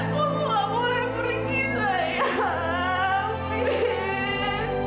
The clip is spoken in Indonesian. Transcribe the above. kamu gak boleh pergi sayang